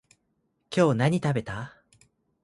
今日何食べた？